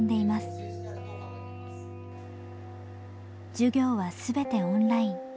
授業は全てオンライン。